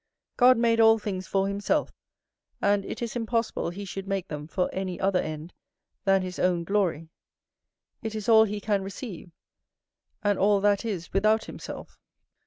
God made all things for himself; and it is impossible he should make them for any other end than his own glory: it is all he can receive, and all that is without himself.